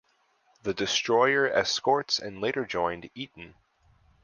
The destroyer escorts and later joined "Eaton".